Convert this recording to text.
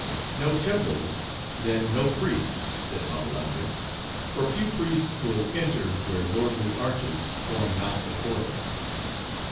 "No temples, then no priests;" said Babbalanja, "for few priests will enter where lordly arches form not the portal."